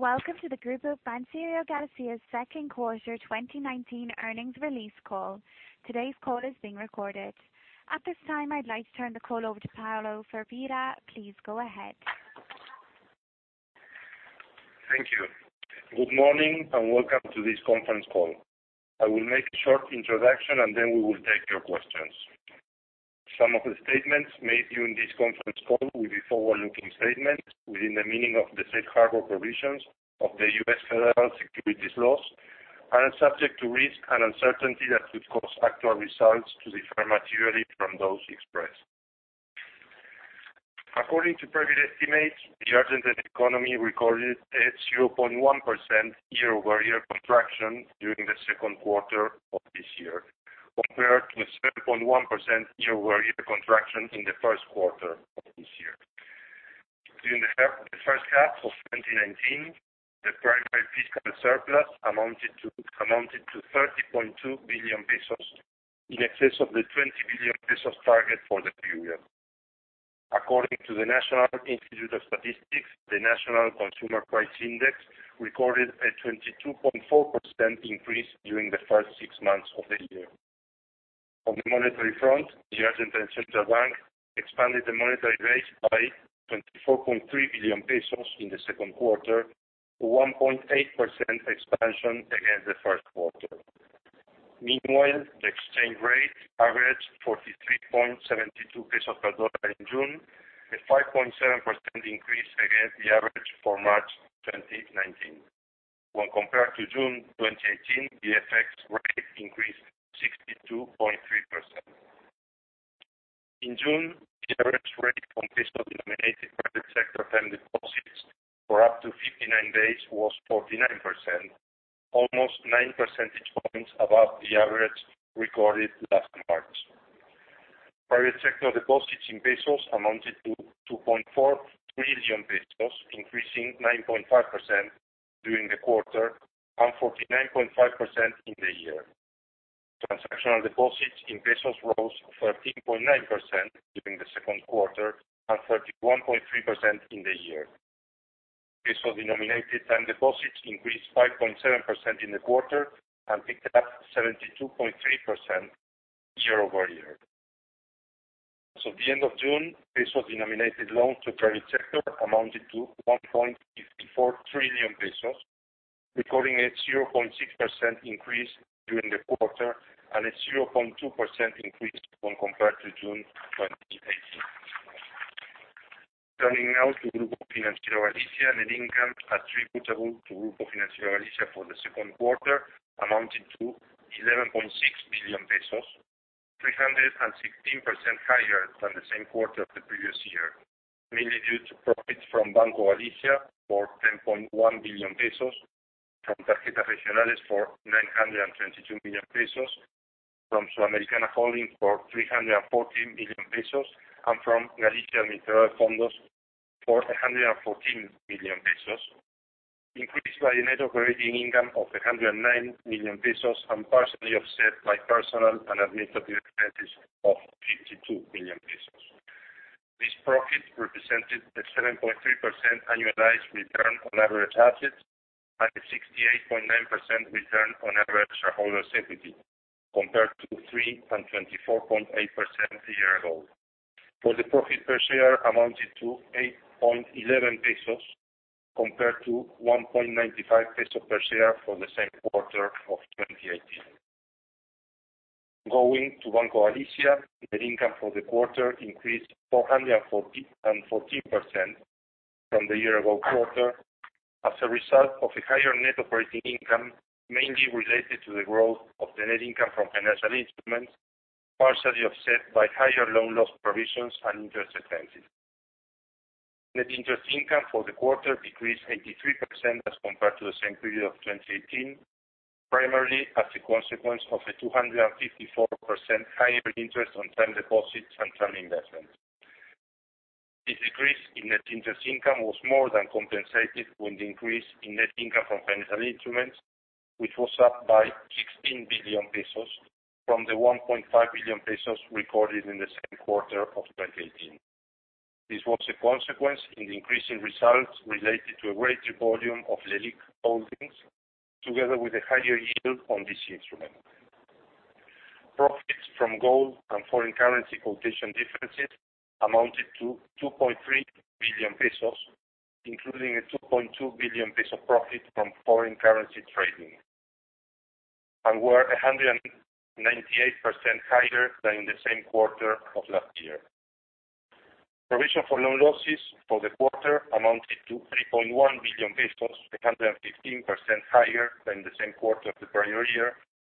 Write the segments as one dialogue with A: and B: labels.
A: Welcome to the Grupo Financiero Galicia's second quarter 2019 earnings release call. Today's call is being recorded. At this time, I'd like to turn the call over to Pablo Firvida. Please go ahead.
B: Thank you. Good morning, and welcome to this conference call. I will make a short introduction, and then we will take your questions. Some of the statements made during this conference call will be forward-looking statements within the meaning of the safe harbor provisions of the U.S. Federal Securities Laws and are subject to risk and uncertainty that could cause actual results to differ materially from those expressed. According to private estimates, the Argentine economy recorded a 0.1% year-over-year contraction during the second quarter of this year, compared to a 7.1% year-over-year contraction in the first quarter of this year. During the first half of 2019, the primary fiscal surplus amounted to 30.2 billion pesos, in excess of the 20 billion pesos target for the period. According to the National Institute of Statistics and Censuses, the National Consumer Price Index recorded a 22.4% increase during the first six months of the year. On the monetary front, the Argentine Central Bank expanded the monetary base by 24.3 billion pesos in the second quarter, a 1.8% expansion against the first quarter. Meanwhile, the exchange rate averaged 43.72 pesos per USD in June, a 5.7% increase against the average for March 2019. When compared to June 2018, the FX rate increased 62.3%. In June, the average rate on peso-denominated private sector term deposits for up to 59 days was 49%, almost nine percentage points above the average recorded last March. Private sector deposits in pesos amounted to 2.4 trillion pesos, increasing 9.5% during the quarter and 49.5% in the year. Transactional deposits in pesos rose 13.9% during the second quarter and 31.3% in the year. Peso-denominated term deposits increased 5.7% in the quarter and picked up 72.3% year-over-year. At the end of June, peso-denominated loans to the private sector amounted to 1.54 trillion pesos, recording a 0.6% increase during the quarter and a 0.2% increase when compared to June 2018. Turning now to Grupo Financiero Galicia. Net income attributable to Grupo Financiero Galicia for the second quarter amounted to 11.6 billion pesos, 316% higher than the same quarter of the previous year, mainly due to profits from Banco Galicia for 10.1 billion pesos, from Tarjetas Regionales for 922 million pesos, from Sudamericana Holdings for 314 million pesos, and from Galicia Administradora de Fondos for 114 million pesos, increased by net operating income of 109 million pesos and partially offset by personal and administrative expenses of 52 million pesos. This profit represented a 7.3% annualized return on average assets and a 68.9% return on average shareholders' equity, compared to 3% and 24.8% a year ago. For the profit per share amounted to 8.11 pesos, compared to 1.95 pesos per share for the same quarter of 2018. Going to Banco Galicia, net income for the quarter increased 414% from the year-ago quarter as a result of a higher net operating income, mainly related to the growth of the net income from financial instruments, partially offset by higher loan loss provisions and interest expenses. Net interest income for the quarter decreased 83% as compared to the same period of 2018, primarily as a consequence of a 254% higher interest on term deposits and term investments. This decrease in net interest income was more than compensated with the increase in net income from financial instruments, which was up by 16 billion pesos from the 1.5 billion pesos recorded in the same quarter of 2018. This was a consequence in the increase in results related to a greater volume of LELIQ holdings, together with a higher yield on this instrument. Profits from gold and foreign currency quotation differences amounted to 2.3 billion pesos, including an 2.2 billion peso profit from foreign currency trading, and were 198% higher than the same quarter of last year. Provision for loan losses for the quarter amounted to 3.1 billion pesos, 115% higher than the same quarter of the prior year,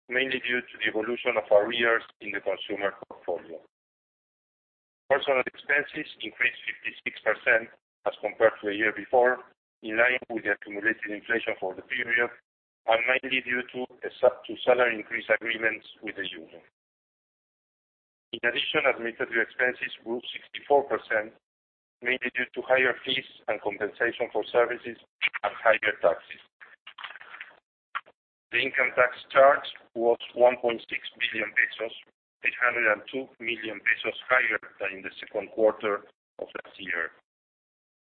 B: mainly due to the evolution of arrears in the consumer portfolio. Personnel expenses increased 56% as compared to a year before, in line with the accumulated inflation for the period, and mainly due to salary increase agreements with the union. In addition, administrative expenses grew 64%, mainly due to higher fees and compensation for services and higher taxes. The income tax charge was 1.6 billion pesos, 802 million pesos higher than in the second quarter of last year.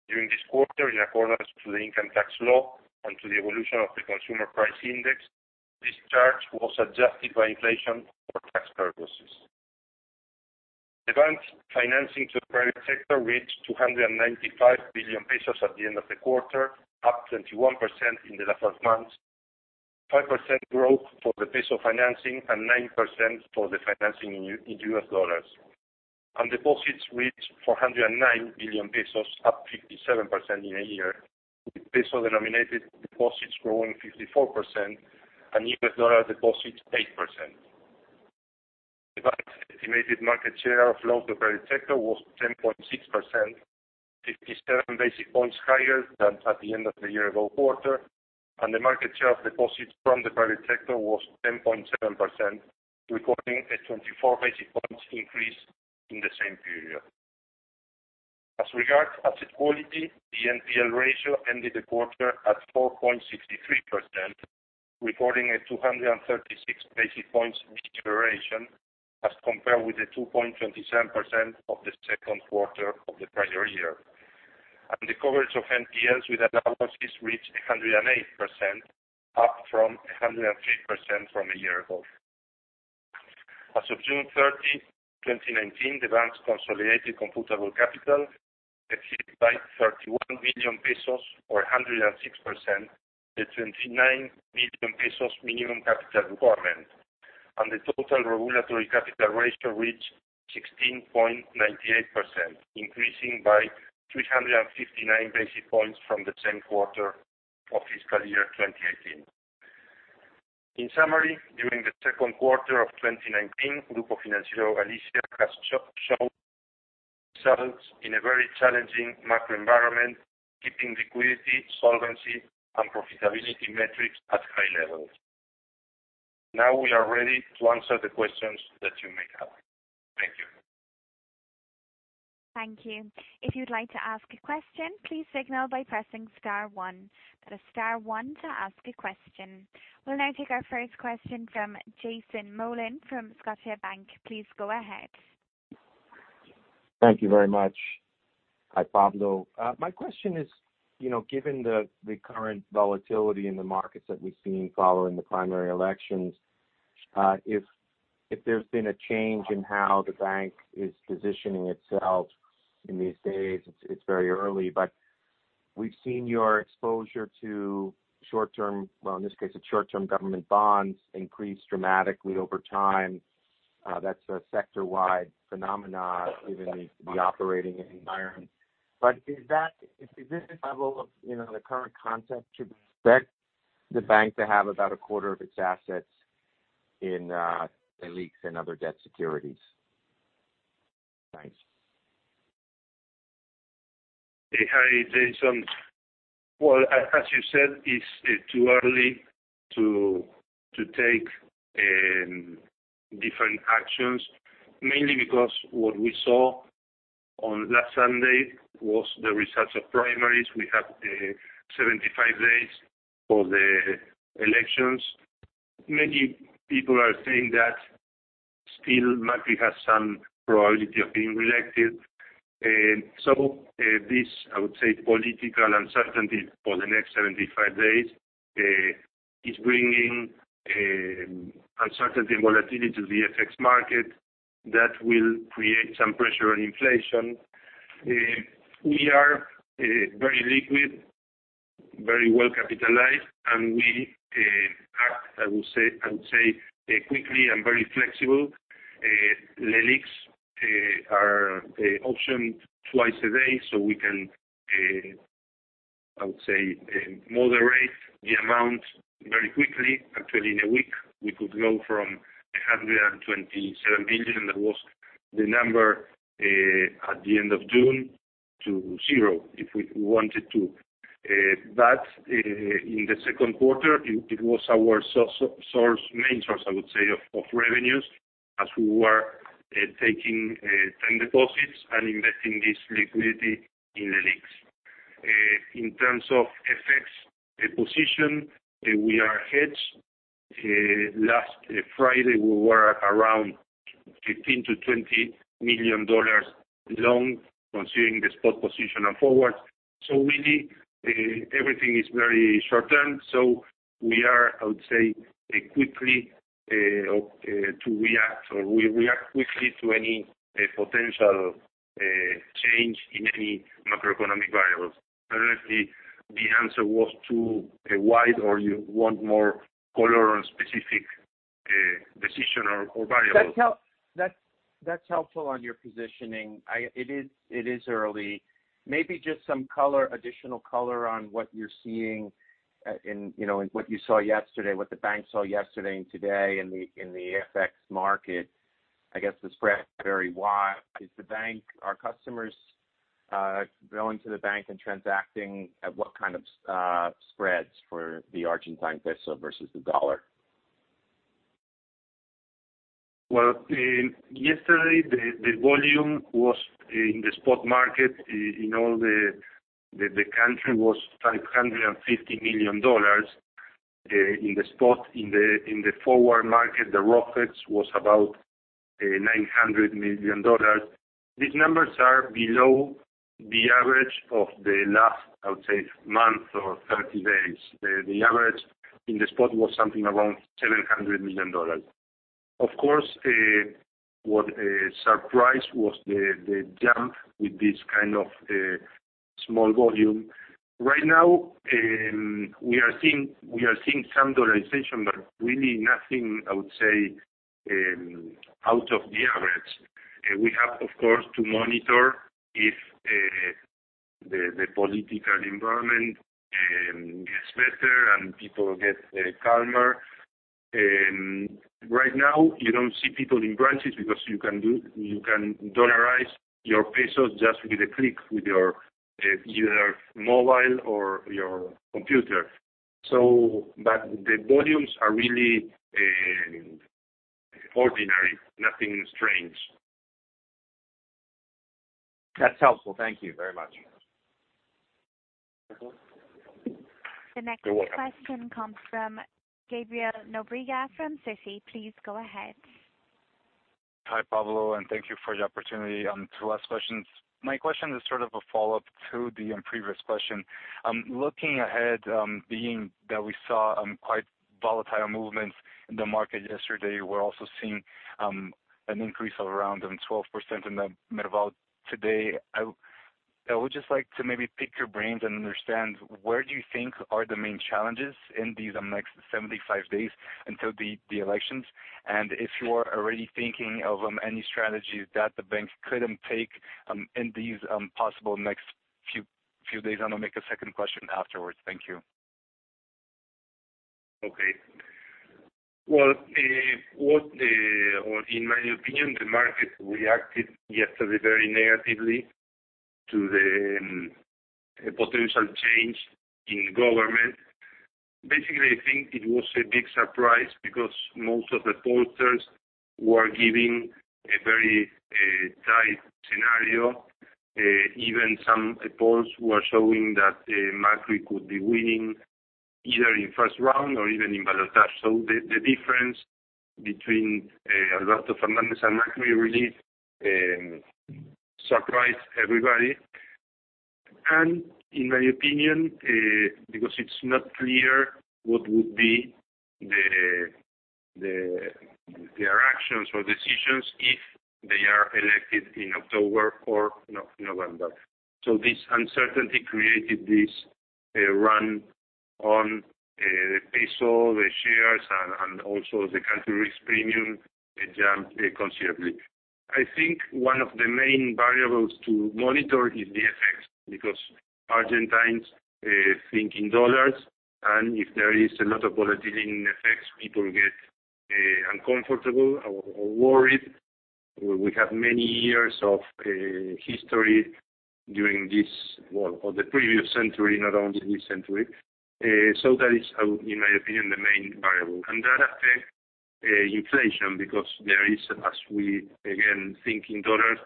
B: During this quarter, in accordance to the income tax law and to the evolution of the consumer price index, this charge was adjusted by inflation for tax purposes. The bank financing to the private sector reached 295 billion pesos at the end of the quarter, up 21% in the last month, 5% growth for the ARS financing, and 9% for the financing in US dollars. Deposits reached 409 billion pesos, up 57% in a year, with ARS-denominated deposits growing 54%, and $ deposits 8%. The bank's estimated market share of loans to the private sector was 10.6%, 57 basic points higher than at the end of the year-ago quarter. The market share of deposits from the private sector was 10.7%, recording a 24 basic points increase in the same period. As regards asset quality, the NPL ratio ended the quarter at 4.63%, recording a 236 basic points deterioration as compared with the 2.27% of the second quarter of the prior year. The coverage of NPLs with allowances reached 108%, up from 103% from a year ago. As of June 30, 2019, the bank's consolidated computable capital exceeded by 31 million pesos, or 106%, the 39 million pesos minimum capital requirement. The total regulatory capital ratio reached 16.98%, increasing by 359 basic points from the same quarter of fiscal year 2018. In summary, during the second quarter of 2019, Grupo Financiero Galicia has shown results in a very challenging macro environment, keeping liquidity, solvency, and profitability metrics at high levels. Now we are ready to answer the questions that you may have. Thank you.
A: Thank you. If you'd like to ask a question, please signal by pressing star 1. Press star 1 to ask a question. We'll now take our first question from Jason Mollin from Scotiabank. Please go ahead.
C: Thank you very much. Hi, Pablo. My question is, given the current volatility in the markets that we've seen following the primary elections, if there's been a change in how the bank is positioning itself in these days. It's very early, we've seen your exposure to short-term, well, in this case it's short-term government bonds, increase dramatically over time. That's a sector-wide phenomenon given the operating environment. Is this level of the current concept to be expected the bank to have about a quarter of its assets in LELIQs and other debt securities? Thanks.
B: Hi, Jason. As you said, it's too early to take different actions, mainly because what we saw on last Sunday was the results of primaries. We have 75 days for the elections. Many people are saying that still Macri has some probability of being reelected. This, I would say, political uncertainty for the next 75 days is bringing uncertainty and volatility to the FX market that will create some pressure on inflation. We are very liquid, very well capitalized, and we act, I would say, quickly and very flexible. LELIQs are auctioned twice a day, we can, I would say, moderate the amount very quickly. Actually, in a week, we could go from 127 million, that was the number at the end of June, to zero, if we wanted to. In the second quarter, it was our main source, I would say, of revenues as we were taking term deposits and investing this liquidity in the LELIQs. In terms of FX position, we are hedged. Last Friday, we were at around $15 million-$20 million long considering the spot position and forward. Really, everything is very short-term. we are, I would say, quickly to react, or we react quickly to any potential change in any macroeconomic variables. I don't know if the answer was too wide, or you want more color on specific decision or variables.
C: That's helpful on your positioning. It is early. Maybe just some additional color on what you're seeing and what you saw yesterday, what the bank saw yesterday and today in the FX market. I guess the spread is very wide. Are customers going to the bank and transacting at what kind of spreads for the Argentine Peso versus the US dollar?
B: Well, yesterday the volume was in the spot market in all the country was $550 million in the spot. In the forward market, the ROFEX was about $900 million. These numbers are below the average of the last, I would say, month or 30 days. The average in the spot was something around $700 million. Of course, what a surprise was the jump with this kind of small volume. Right now, we are seeing some dollarization, really nothing, I would say, out of the average. We have, of course, to monitor if the political environment gets better and people get calmer. Right now, you don't see people in branches because you can dollarize your pesos just with a click with your either mobile or your computer. The volumes are really ordinary, nothing strange.
C: That's helpful. Thank you very much.
B: You're welcome.
A: The next question comes from Gabriel Nobrega from Citi. Please go ahead.
D: Hi, Pablo, thank you for the opportunity to ask questions. My question is sort of a follow-up to the previous question. Looking ahead, being that we saw quite volatile movements in the market yesterday, we're also seeing an increase of around 12% in the MERVAL today. I would just like to maybe pick your brains and understand where do you think are the main challenges in these next 75 days until the elections? If you are already thinking of any strategies that the bank could take in these possible next few days? I'll make a second question afterwards. Thank you.
B: Okay. Well, in my opinion, the market reacted yesterday very negatively to the potential change in government. I think it was a big surprise because most of the pollsters were giving a very tight scenario. Even some polls were showing that Macri could be winning either in first round or even in ballottage. The difference between Alberto Fernández and Macri really surprised everybody. In my opinion, because it's not clear what would be their actions or decisions if they are elected in October or November. This uncertainty created this run on the peso, the shares, and also the country risk premium, it jumped considerably. I think one of the main variables to monitor is the FX, because Argentines think in US dollars, and if there is a lot of volatility in FX, people get uncomfortable or worried. We have many years of history during this, well, or the previous century, not only this century. That is, in my opinion, the main variable. That affects inflation because there is, as we again, think in dollars,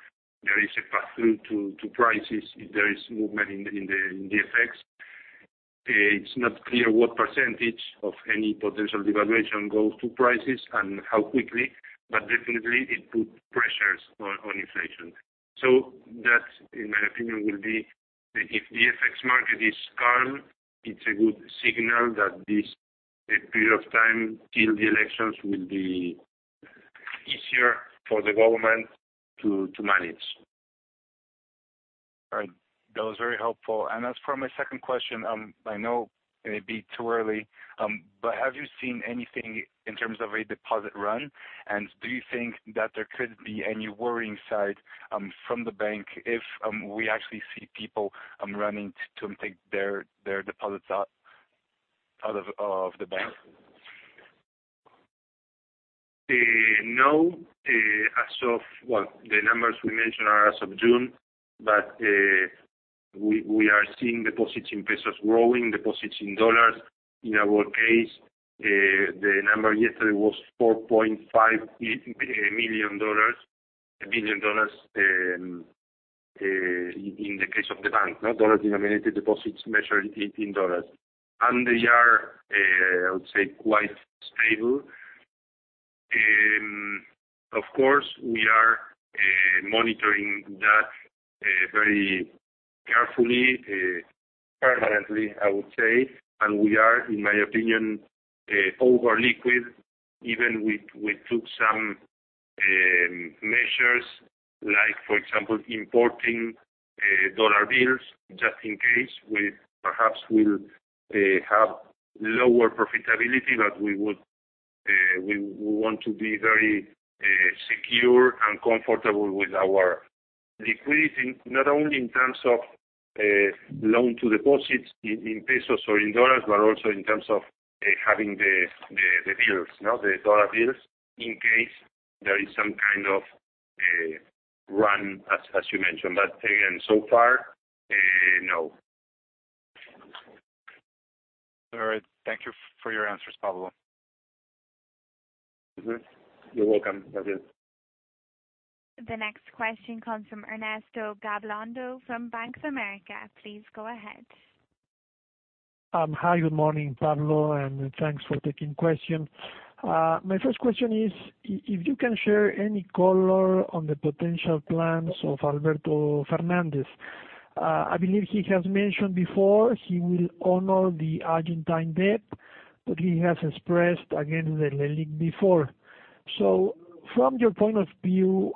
B: there is a pass-through to prices if there is movement in the FX. It's not clear what percentage of any potential devaluation goes to prices and how quickly, but definitely it puts pressures on inflation. That, in my opinion, will be if the FX market is calm, it's a good signal that this period of time till the elections will be easier for the government to manage.
D: All right. That was very helpful. As for my second question, I know it may be too early. Have you seen anything in terms of a deposit run? Do you think that there could be any worrying side from the bank if we actually see people running to take their deposits out of the bank?
B: No. Well, the numbers we mentioned are as of June, but we are seeing deposits in pesos growing, deposits in dollars. In our case, the number yesterday was $4.5 billion in the case of the bank. Dollars denominated deposits measured in dollars. They are, I would say, quite stable. Of course, we are monitoring that very carefully, permanently, I would say. We are, in my opinion, over-liquid, even we took some measures, like for example, importing dollar bills just in case. We perhaps will have lower profitability, but we want to be very secure and comfortable with our liquidity, not only in terms of loan to deposits in pesos or in dollars, but also in terms of having the bills. The dollar bills in case there is some kind of run, as you mentioned. Again, so far, no.
D: Thank you for your answers, Pablo.
B: Mm-hmm. You're welcome, Gabriel.
A: The next question comes from Ernesto Gabilondo from Bank of America. Please go ahead.
E: Hi. Good morning, Pablo, thanks for taking question. My first question is if you can share any color on the potential plans of Alberto Fernández. I believe he has mentioned before he will honor the Argentine debt, he has expressed against the Leliq before. From your point of view,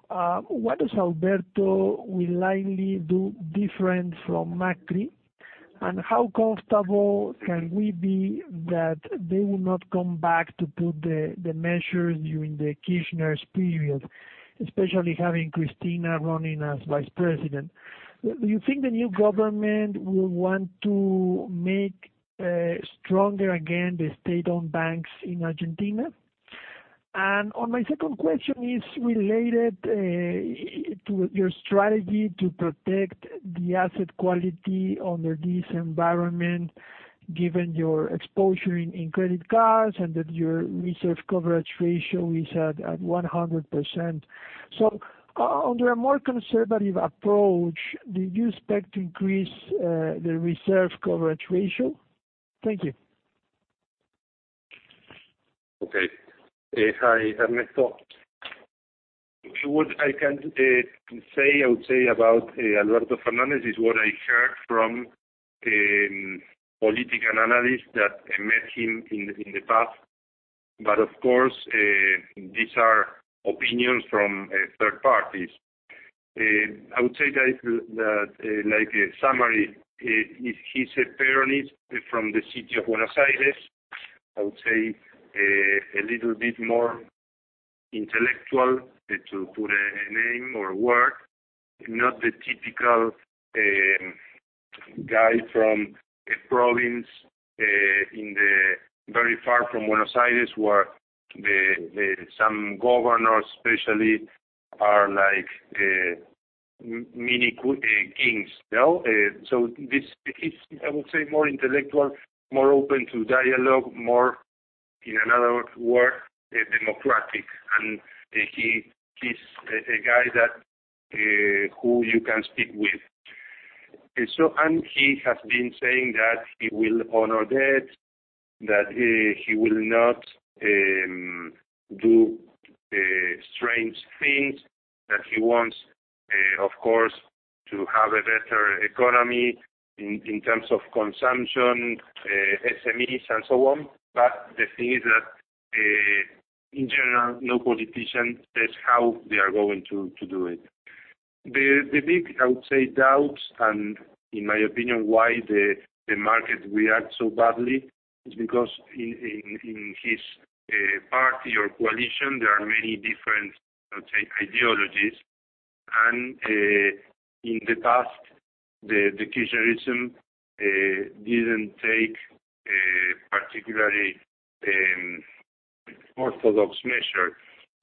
E: what does Alberto will likely do different from Macri? How comfortable can we be that they will not come back to put the measures during the Kirchner's period, especially having Cristina running as vice president. Do you think the new government will want to make stronger again the state-owned banks in Argentina? On my second question is related to your strategy to protect the asset quality under this environment, given your exposure in credit cards and that your reserve coverage ratio is at 100%. Under a more conservative approach, do you expect to increase the reserve coverage ratio? Thank you.
B: Okay. Hi, Ernesto Gabilondo. What I can say, I would say about Alberto Fernández is what I heard from political analysts that met him in the past. Of course, these are opinions from third parties. I would say that like a summary, he's a Peronist from the city of Buenos Aires. I would say a little bit more intellectual, to put a name or word, not the typical guy from a province very far from Buenos Aires, where some governors especially are like mini kings. This is, I would say more intellectual, more open to dialogue, more, in another word, democratic. He's a guy who you can speak with. He has been saying that he will honor debt, that he will not do strange things, that he wants, of course, to have a better economy in terms of consumption, SMEs, and so on. The thing is that, in general, no politician says how they are going to do it. The big, I would say, doubts, and in my opinion, why the market react so badly is because in his party or coalition, there are many different, I would say, ideologies. In the past, the Kirchnerism didn't take particularly orthodox measure.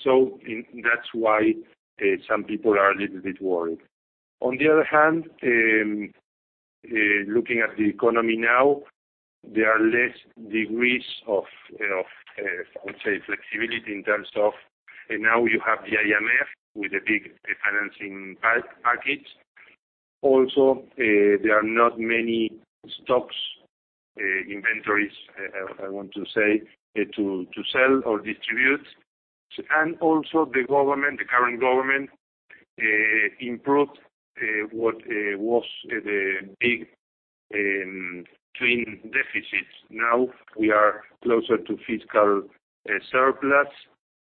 B: That's why some people are a little bit worried. On the other hand, looking at the economy now, there are less degrees of, I would say, flexibility in terms of now you have the IMF with a big financing package. There are not many stocks, inventories, I want to say, to sell or distribute. The government, the current government, improved what was the big twin deficits. Now we are closer to fiscal surplus,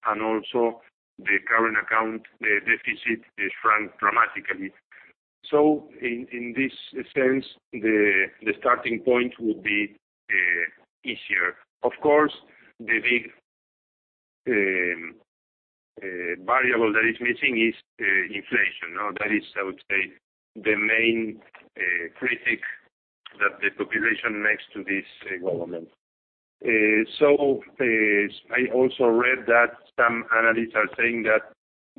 B: and also the current account deficit has shrunk dramatically. In this sense, the starting point would be easier. Of course, the big variable that is missing is inflation. That is, I would say, the main critic that the population makes to this government. I also read that some analysts are saying that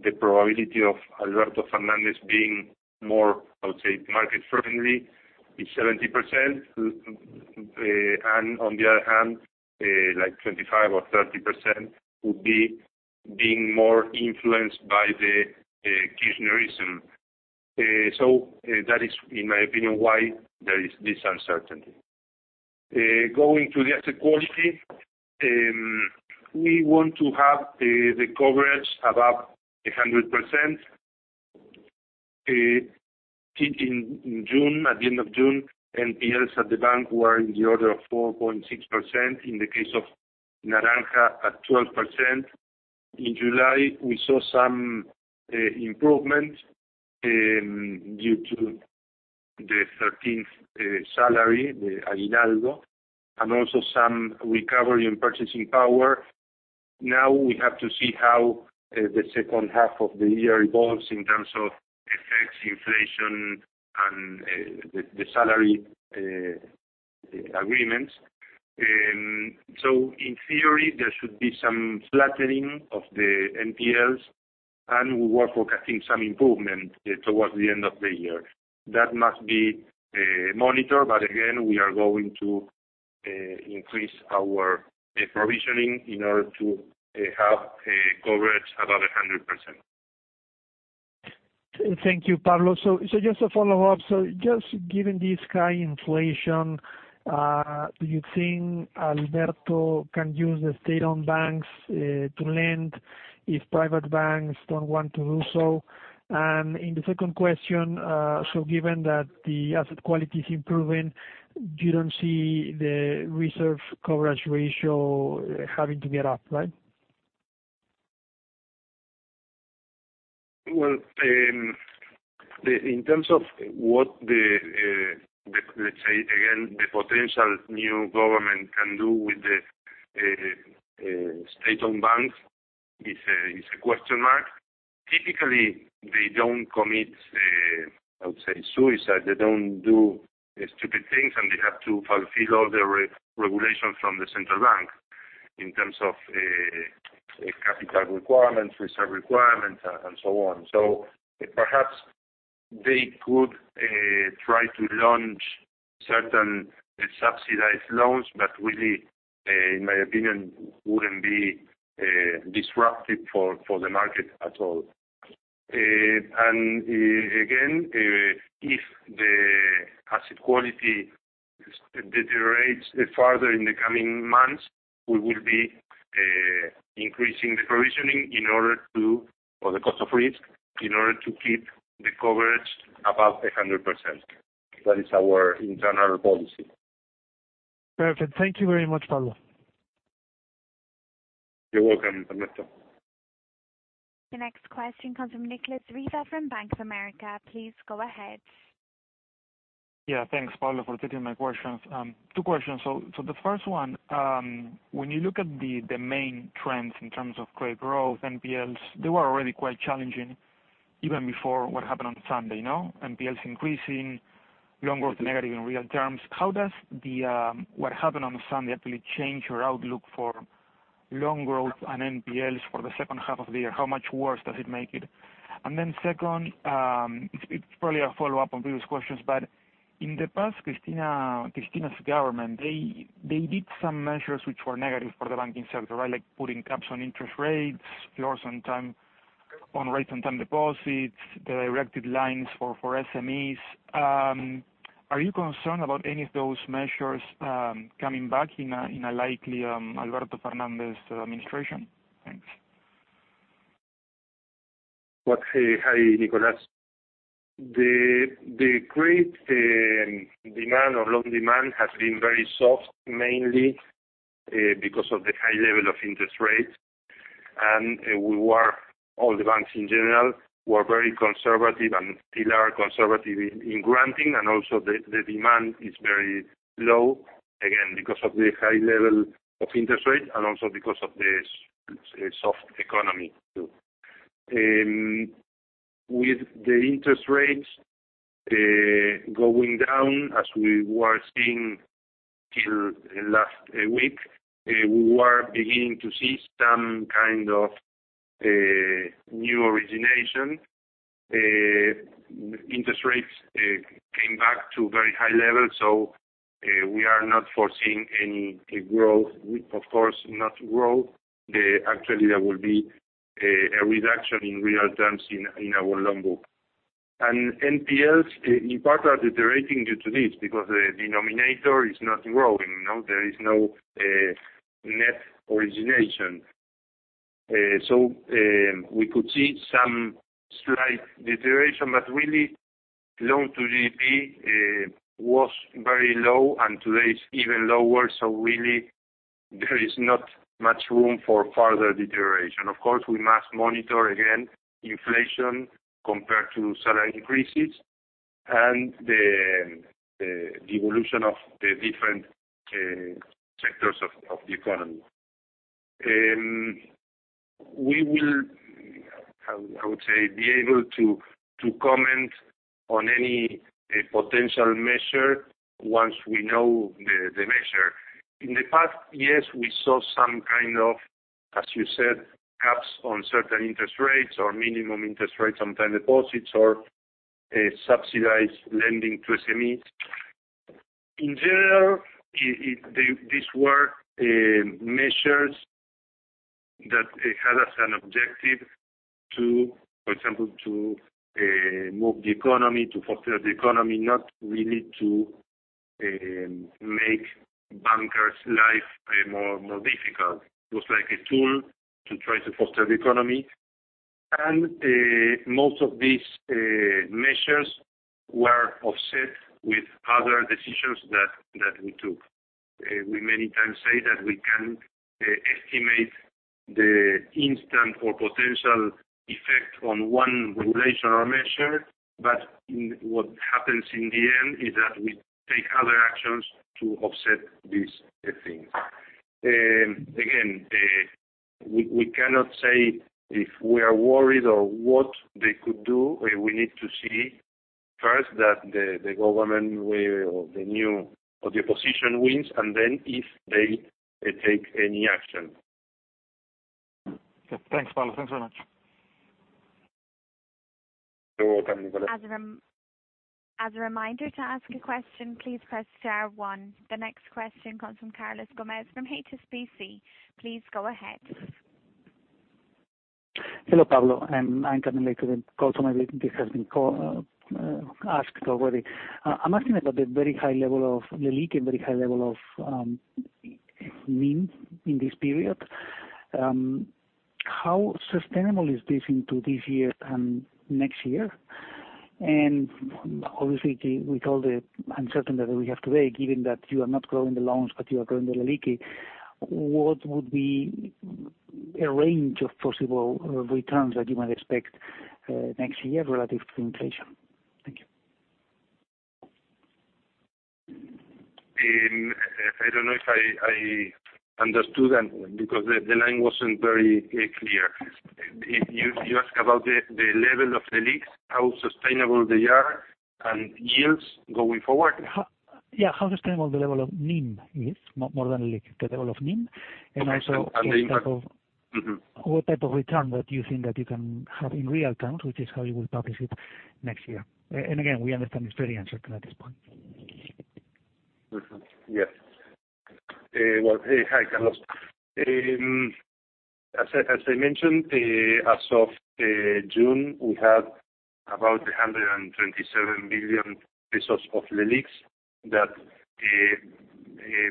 B: the probability of Alberto Fernández being more, I would say, market-friendly is 70%. On the other hand, like 25% or 30% would be being more influenced by the Kirchnerism. That is, in my opinion, why there is this uncertainty. Going to the asset quality, we want to have the coverage above 100%. In June, at the end of June, NPLs at the bank were in the order of 4.6%, in the case of Naranja, at 12%. In July, we saw some improvement due to the 13th salary, the aguinaldo, and also some recovery in purchasing power. We have to see how the second half of the year evolves in terms of effects, inflation, and the salary agreements. In theory, there should be some flattening of the NPLs. We were forecasting some improvement towards the end of the year. That must be monitored, but again, we are going to increase our provisioning in order to have coverage above 100%.
E: Thank you, Pablo. Just a follow-up. Just given this high inflation, do you think Alberto can use the state-owned banks to lend if private banks don't want to do so? The second question, given that the asset quality is improving, you don't see the reserve coverage ratio having to get up, right?
B: Well, in terms of what, let's say again, the potential new government can do with the state-owned banks, it's a question mark. Typically, they don't commit, I would say, suicide. They don't do stupid things, and they have to fulfill all the regulations from the central bank in terms of capital requirements, reserve requirements, and so on. Perhaps they could try to launch certain subsidized loans, but really, in my opinion, wouldn't be disruptive for the market at all. Again, if the asset quality deteriorates further in the coming months, we will be increasing the provisioning or the cost of risk in order to keep the coverage above 100%. That is our internal policy.
E: Perfect. Thank you very much, Pablo.
B: You're welcome, Ernesto.
A: The next question comes from Nicolas Riva from Bank of America. Please go ahead.
F: Thanks, Pablo, for taking my questions. Two questions. The first one, when you look at the main trends in terms of credit growth, NPLs, they were already quite challenging even before what happened on Sunday. NPLs increasing, loan growth negative in real terms. How does what happened on Sunday actually change your outlook for loan growth and NPLs for the second half of the year? How much worse does it make it? Then second, it's probably a follow-up on previous questions, but in the past, Cristina's government, they did some measures which were negative for the banking sector, like putting caps on interest rates, floors on rates on time deposits, the directed lines for SMEs. Are you concerned about any of those measures coming back in a likely Alberto Fernández administration? Thanks.
B: Hi, Nicolas. The credit demand or loan demand has been very soft, mainly because of the high level of interest rates. All the banks in general, were very conservative and still are conservative in granting, and also the demand is very low, again, because of the high level of interest rates and also because of the soft economy, too. With the interest rates going down, as we were seeing till last week, we were beginning to see some kind of new origination. Interest rates came back to very high levels, so we are not foreseeing any growth. Of course, not growth. Actually, there will be a reduction in real terms in our loan book. NPLs, in part, are deteriorating due to this, because the denominator is not growing. There is no net origination. We could see some slight deterioration, but really, loans to GDP was very low, and today it's even lower, so really there is not much room for further deterioration. Of course, we must monitor, again, inflation compared to salary increases and the evolution of the different sectors of the economy. We will, I would say, be able to comment on any potential measure once we know the measure. In the past, yes, we saw some kind of, as you said, caps on certain interest rates or minimum interest rates on time deposits or subsidized lending to SMEs. In general, these were measures that had as an objective, for example, to move the economy, to foster the economy, not really to make bankers' life more difficult. It was like a tool to try to foster the economy. Most of these measures were offset with other decisions that we took. We many times say that we can estimate the instant or potential effect on one regulation or measure. What happens in the end is that we take other actions to offset these things. Again, we cannot say if we are worried or what they could do. We need to see first, that the government or the opposition wins, then if they take any action.
F: Okay. Thanks, Pablo. Thanks very much.
B: You're welcome.
A: As a reminder, to ask a question, please press star one. The next question comes from Carlos Gomez-Lopez from HSBC. Please go ahead.
G: Hello, Pablo. I'm coming late to the call, so maybe this has been asked already. I'm asking about the very high level of LELIQ and very high level of NIM in this period. How sustainable is this into this year and next year? Obviously, with all the uncertainty that we have today, given that you are not growing the loans but you are growing the LELIQ, what would be a range of possible returns that you might expect next year relative to inflation? Thank you.
B: I don't know if I understood, because the line wasn't very clear. You ask about the level of LELIQs, how sustainable they are, and yields going forward?
G: Yeah. How sustainable the level of NIM is, more than LELIQ, the level of NIM.
B: The impact. Mm-hmm
G: what type of return that you think that you can have in real terms, which is how you will publish it next year. Again, we understand it's very uncertain at this point.
B: Mm-hmm. Yes. Well, hi, Carlos. As I mentioned, as of June, we had about 127 billion pesos of LELIQs that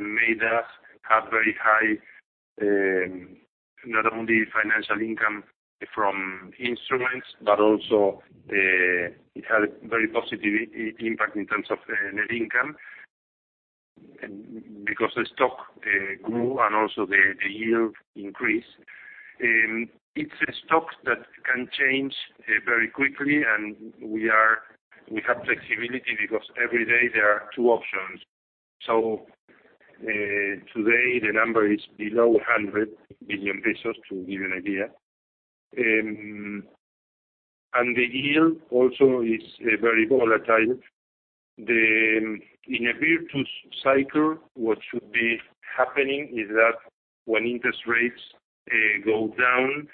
B: made us have very high, not only financial income from instruments, but also it had a very positive impact in terms of net income, because the stock grew and also the yield increased. It's a stock that can change very quickly, and we have flexibility because every day there are two options. Today the number is below 100 billion pesos, to give you an idea. The yield also is very volatile. In a virtuous cycle, what should be happening is that when interest rates go down,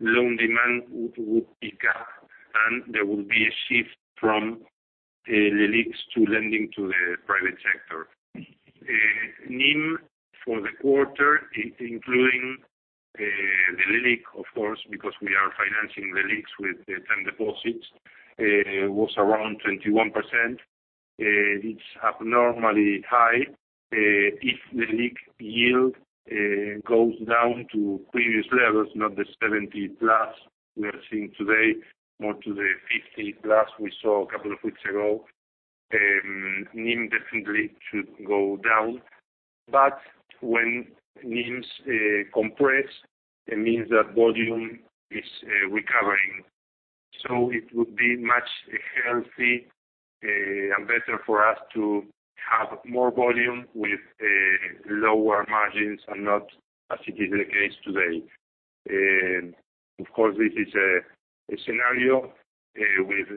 B: loan demand would peak up and there would be a shift from LELIQs to lending to the private sector. NIM for the quarter, including the Leliq, of course, because we are financing LELIQs with term deposits, was around 21%. It's abnormally high. If the Leliq yield goes down to previous levels, not the 70+ we are seeing today, more to the 50+ we saw a couple of weeks ago, NIM definitely should go down. When NIMs compress, it means that volume is recovering. It would be much healthy and better for us to have more volume with lower margins, and not as it is the case today. This is a scenario with,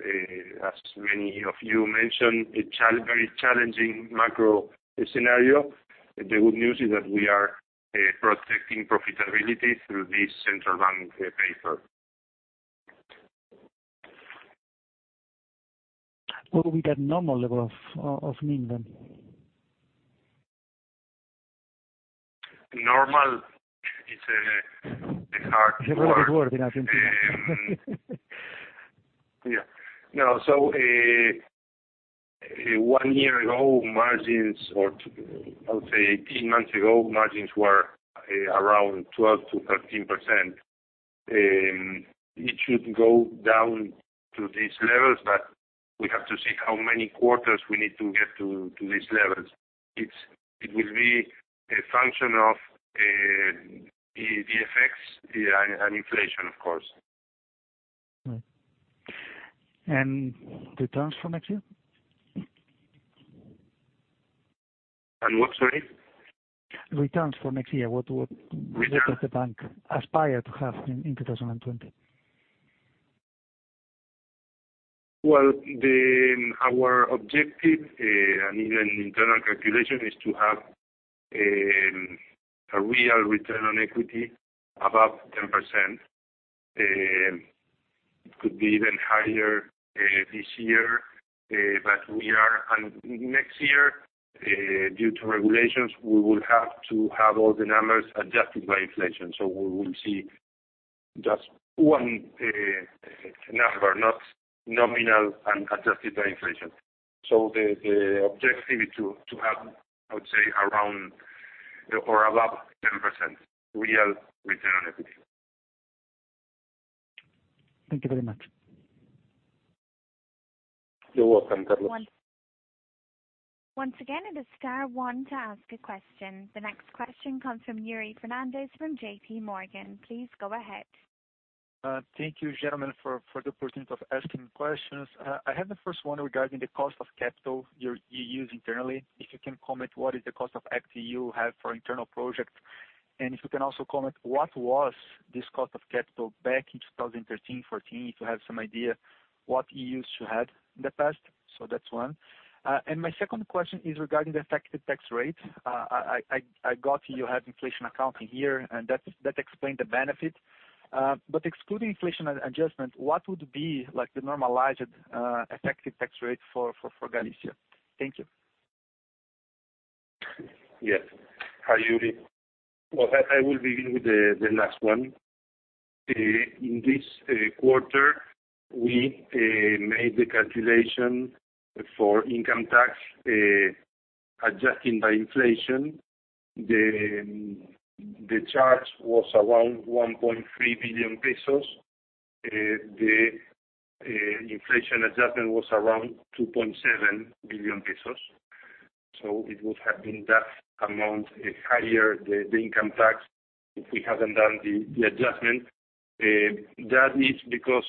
B: as many of you mentioned, a very challenging macro scenario. The good news is that we are protecting profitability through this central bank paper.
G: What would be the normal level of NIM, then?
B: Normal is a hard word.
G: It's a very big word in Argentina.
B: Yeah. No. One year ago, margins, or I would say 18 months ago, margins were around 12%-13%. It should go down to these levels, but we have to see how many quarters we need to get to these levels. It will be a function of the effects and inflation, of course.
G: Right. Returns for next year?
B: On what? Sorry.
G: Returns for next year. What does the bank aspire to have in 2020?
B: Well, our objective, and even internal calculation, is to have a real return on equity above 10%. It could be even higher this year, but next year, due to regulations, we will have to have all the numbers adjusted by inflation. We will see just one number, not nominal and adjusted by inflation. The objective is to have, I would say, around or above 10% real return on equity.
G: Thank you very much.
B: You're welcome, Carlos.
A: Once again, it is star one to ask a question. The next question comes from Yuri Fernandes from JPMorgan. Please go ahead.
H: Thank you, gentlemen, for the opportunity of asking questions. I have the first one regarding the cost of capital you use internally. If you can comment, what is the cost of equity you have for internal projects? And if you can also comment, what was this cost of capital back in 2013, 2014, if you have some idea what you used to have in the past? That's one. My second question is regarding the effective tax rate. I got you have inflation accounting here, and that explains the benefit. Excluding inflation adjustment, what would be the normalized effective tax rate for Galicia? Thank you.
B: Yes. Hi, Yuri. I will begin with the last one. In this quarter, we made the calculation for income tax, adjusting by inflation. The charge was around 1.3 billion pesos. The inflation adjustment was around 2.7 billion pesos. It would have been that amount higher the income tax if we hadn't done the adjustment. That is because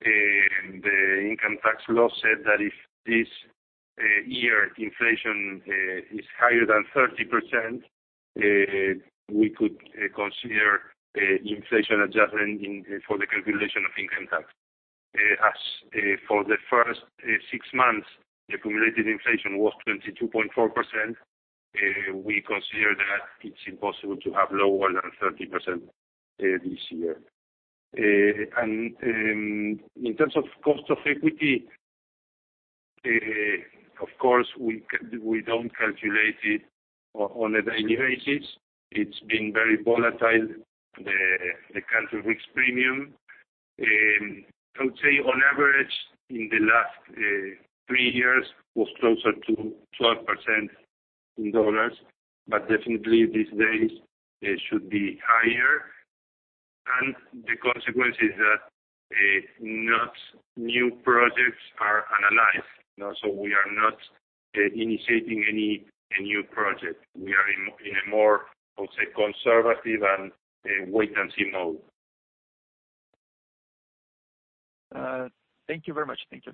B: the income tax law said that if this year inflation is higher than 30%, we could consider inflation adjustment for the calculation of income tax. As for the first six months, the cumulative inflation was 22.4%. We consider that it's impossible to have lower than 30% this year. In terms of cost of equity, of course, we don't calculate it on a daily basis. It's been very volatile, the country risk premium. I would say, on average, in the last three years, was closer to 12% in USD. Definitely these days, it should be higher. The consequence is that not new projects are analyzed. We are not initiating any new project. We are in a more, I would say, conservative and wait-and-see mode.
H: Thank you very much. Thank you.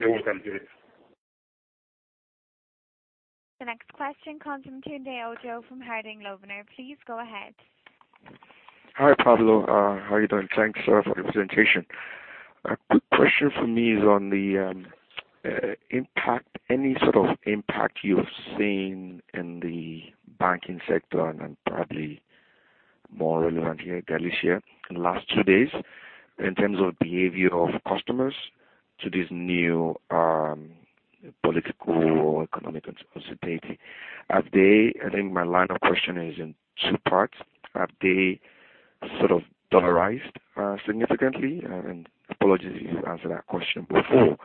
B: You're welcome, Yuri.
A: The next question comes from Tunde Ojo from Harding Loevner. Please go ahead.
I: Hi, Pablo. How are you doing? Thanks for the presentation. A quick question from me is on any sort of impact you've seen in the banking sector, and then probably more relevant here at Galicia in the last two days, in terms of behavior of customers to this new political or economic uncertainty. I think my line of questioning is in two parts. Have they sort of dollarized significantly? Apologies if you answered that question before.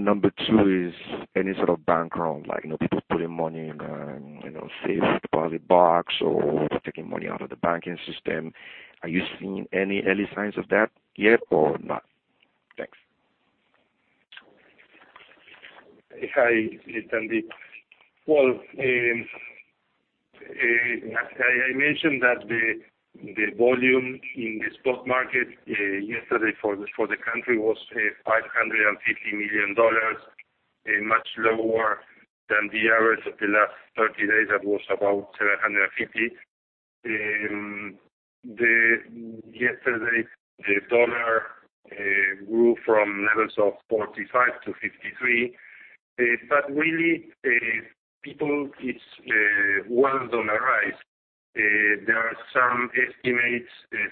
I: Number 2 is any sort of bank run, like people putting money in safe deposit box or people taking money out of the banking system. Are you seeing any early signs of that yet or not? Thanks.
B: Hi, Tunde. Well, I mentioned that the volume in the stock market yesterday for the country was $550 million, much lower than the average of the last 30 days. That was about $750 million. Yesterday, the dollar grew from levels of 45 to 53. Really, people, it's well dollarized. There are some estimates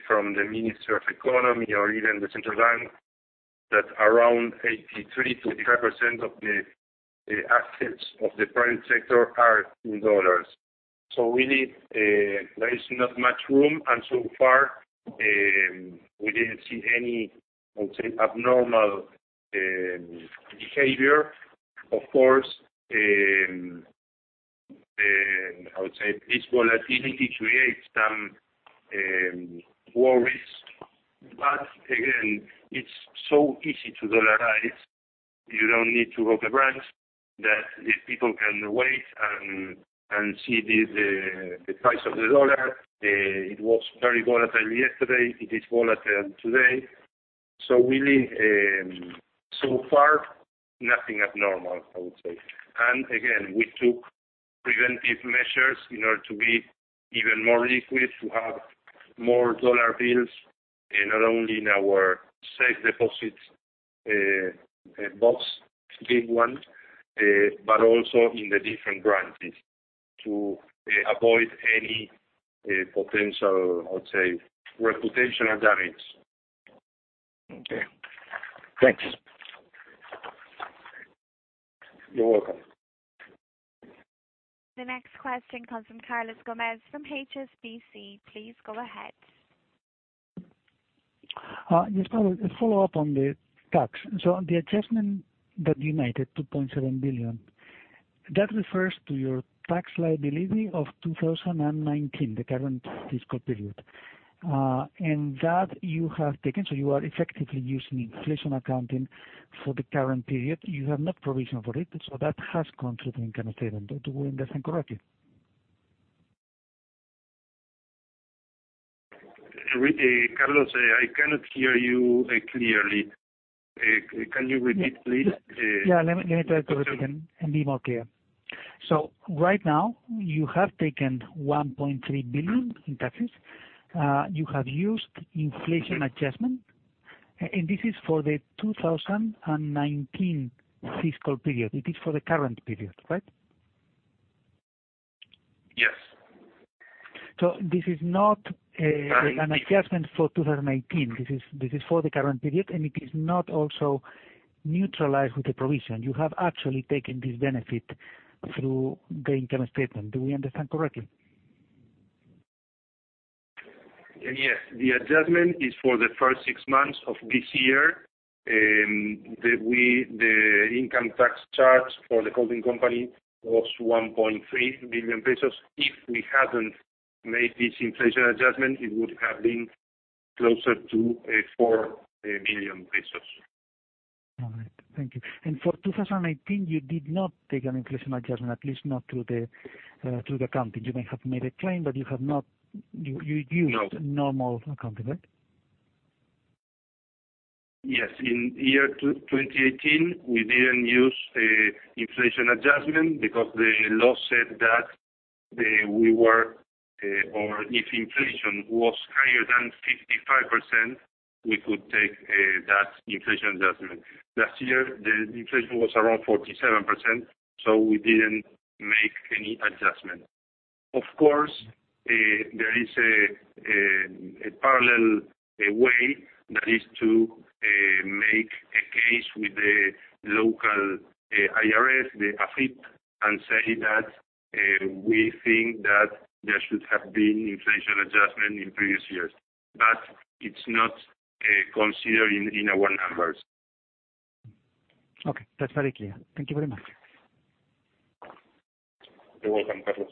B: from the Minister of Economy or even the Central Bank that around 83%-85% of the assets of the private sector are in dollars. So really, there is not much room. So far, we didn't see any, I would say, abnormal behavior. Of course, I would say this volatility creates some worries. Again, it's so easy to dollarize. You don't need to open banks. That if people can wait and see the price of the dollar, it was very volatile yesterday. It is volatile today. Really, so far, nothing abnormal, I would say. Again, we took preventive measures in order to be even more liquid, to have more dollar bills, not only in our safe deposit box, big one, but also in the different branches to avoid any potential, I would say, reputational damage.
I: Okay. Thanks.
B: You're welcome.
A: The next question comes from Carlos Gomez-Lopez from HSBC. Please go ahead.
G: Yes, Pablo, a follow-up on the tax. The adjustment that you made, 2.7 billion, that refers to your tax liability of 2019, the current fiscal period. That you have taken, so you are effectively using inflation accounting for the current period. You have not provisioned for it, so that has gone to the income statement. Do we understand correctly?
B: Carlos, I cannot hear you clearly. Can you repeat, please?
G: Yeah. Let me try to repeat and be more clear. Right now, you have taken 1.3 billion in taxes. You have used inflation adjustment, and this is for the 2019 fiscal period. It is for the current period, right?
B: Yes.
G: This is not an adjustment for 2018. This is for the current period, and it is not also neutralized with the provision. You have actually taken this benefit through the income statement. Do we understand correctly?
B: Yes. The adjustment is for the first six months of this year. The income tax charge for the holding company was 1.3 billion pesos. If we hadn't made this inflation adjustment, it would have been closer to 4 billion pesos.
G: All right, thank you. For 2018, you did not take an inflation adjustment, at least not through the accounting. You may have made a claim.
B: No
G: normal accounting, right?
B: Yes. In the year 2018, we didn't use inflation adjustment because the law said that if inflation was higher than 55%, we could take that inflation adjustment. Last year, the inflation was around 47%, so we didn't make any adjustment. Of course, there is a parallel way, that is to make a case with the local IRS, the AFIP, and say that we think that there should have been inflation adjustment in previous years. It's not considered in our numbers.
G: Okay, that's very clear. Thank you very much.
B: You're welcome, Carlos.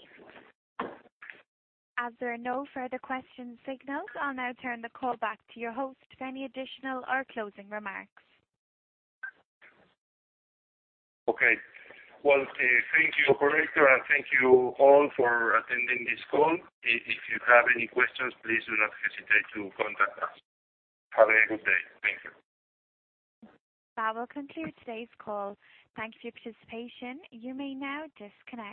A: As there are no further questions signaled, I'll now turn the call back to your host for any additional or closing remarks.
B: Okay. Well, thank you, operator. Thank you all for attending this call. If you have any questions, please do not hesitate to contact us. Have a good day. Thank you.
A: That will conclude today's call. Thank you for your participation. You may now disconnect.